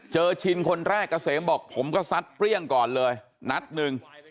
ชินคนแรกเกษมบอกผมก็ซัดเปรี้ยงก่อนเลยนัดหนึ่ง